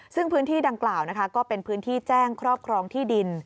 ซึ่งพื้นที่ดังกล่าวนะคะก็เป็นพื้นที่แจ้งครอบครองที่ดิน